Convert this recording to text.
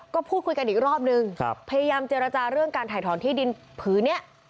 ก็พูดคุยกันอีกรอบนึงพยายามเจรจาเรื่องการถ่ายถอนที่ดินผืนนี้